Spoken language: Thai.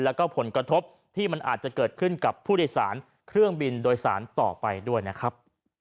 แล้วก็ผลกระทบที่มันอาจจะเกิดขึ้นกับผู้โดยสารเครื่องบินโดยสารต่อไปด้วยนะครับ